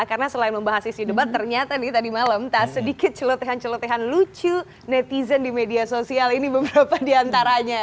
karena selain membahas isi debat ternyata nih tadi malam sedikit celotehan celotehan lucu netizen di media sosial ini beberapa diantaranya